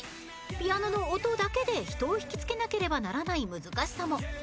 ［ピアノの音だけで人を引きつけなければならない難しさも］